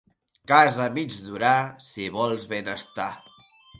Casa a mig durar, si vols ben estar.